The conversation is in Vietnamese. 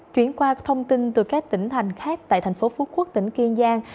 chuyển qua thông tin từ các tỉnh thành khác tại tp hcm tỉnh kiên giang